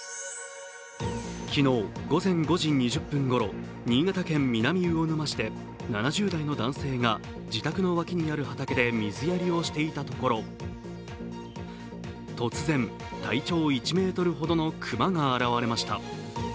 昨日午前５時２０分ごろ、新潟県南魚沼市で７０代の男性が自宅の脇にある畑で水やりをしていたところ突然、体長１ｍほどの熊が現れました。